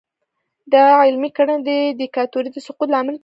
دا عملي کړنې د دیکتاتورۍ د سقوط لامل کیږي.